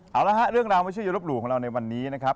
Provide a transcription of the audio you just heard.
เอาละฮะเรื่องราวไม่ใช่อย่ารบหลู่ของเราในวันนี้นะครับ